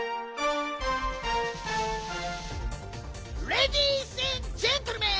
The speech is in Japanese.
レディースエンドジェントルメン！